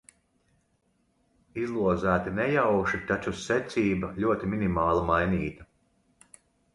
Izlozēti nejauši, taču secība ļoti minimāli mainīta.